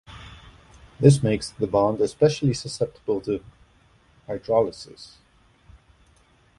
This makes the bond especially susceptible to hydrolysis.